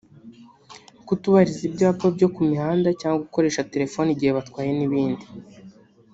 kutubahiriza ibyapa byo ku mihanda cyangwa gukoresha telefoni igihe batwaye n’ibindi